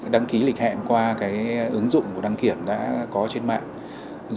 đăng ký lịch hẹn qua ứng dụng của đăng kiểm đã có trên mạng